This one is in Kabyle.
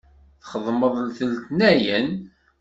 Txeddmeḍ d letnayen?